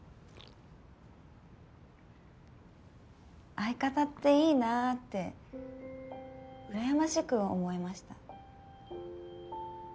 相方っていいなってうらやましく思えました。